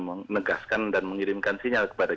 menegaskan dan mengirimkan sinyal kepada